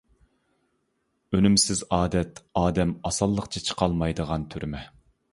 ئۈنۈمسىز ئادەت ئادەم ئاسانلىقچە چىقالمايدىغان تۈرمە.